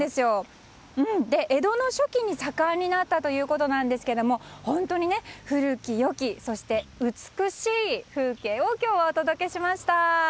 江戸の初期に盛んになったということなんですけれども本当に古き良き美しい風景を今日はお届けしました。